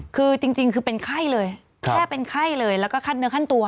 คือจริงคือเป็นไข้เลยแค่เป็นไข้เลยแล้วก็ขั้นเนื้อขั้นตัว